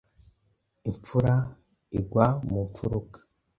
Imfura igwa mu mfuruka.